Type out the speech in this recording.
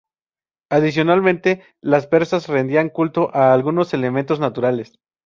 Adicionalmente, los persas rendían culto a algunos elementos naturales.